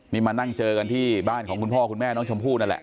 นี่มานั่งเจอกันที่บ้านของคุณพ่อคุณแม่น้องชมพู่นั่นแหละ